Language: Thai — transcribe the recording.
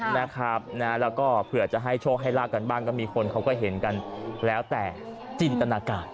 แล้วก็เผื่อจะให้โชคให้ลาบกันบ้างก็มีคนเขาก็เห็นกันแล้วแต่จินตนาการ